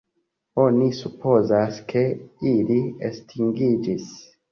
Oni supozas, ke ili estingiĝis.